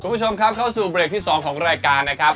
คุณผู้ชมครับเข้าสู่เบรกที่๒ของรายการนะครับ